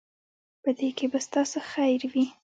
په دې کې به ستاسو خیر وي.